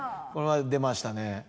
これは出ましたね。